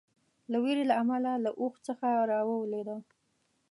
د وېرې له امله له اوښ څخه راولېده.